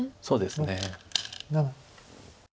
そうですね。